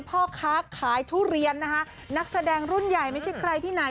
พ่อค้าขายทุเรียนนะคะนักแสดงรุ่นใหญ่ไม่ใช่ใครที่ไหน